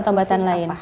ada obat obatan lain